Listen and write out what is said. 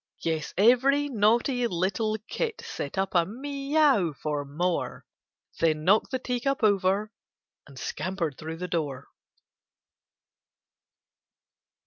Yes, every naughty little kit set up a Mee ow for more. Then knocked the tea cup over, and scampered through the door.